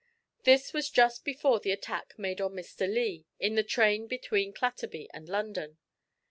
This was just before the attack made on Mr Lee in the train between Clatterby and London.